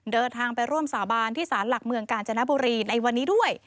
เดินทางไปร่วมสาบานที่สารหลักเมืองกาญจนบุรีในวันนี้ด้วย